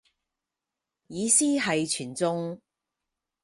意思係全中